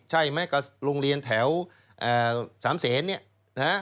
ใช่ไหมกระทรวงเรียนแถวสามเศส